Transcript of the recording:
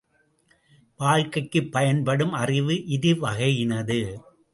வாழ்க்கைக்குப் பயன்படும் அறிவு இரு வகையினது.